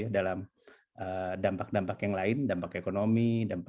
dalam dampak dampak yang lain dampak ekonomi